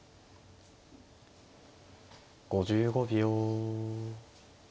５５秒。